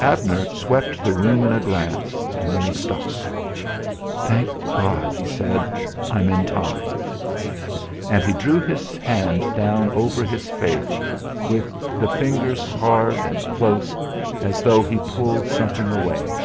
Abner swept the room in a glance, then he stopped. "Thank God!" he said; "I'm in time." And he drew his hand down over his face with the fingers hard and close as though he pulled something away.